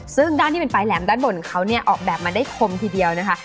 ซึ่งด้านที่เป็นปลายแหลมด้านบนของเขาเนี่ยออกแบบมาได้คมทีเดียวนะคะ